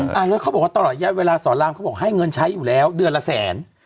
แล้วเขาบอกว่าตลอดระยะเวลาสอนรามเขาบอกให้เงินใช้อยู่แล้วเดือนละแสน